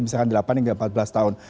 misalkan delapan hingga empat belas tahun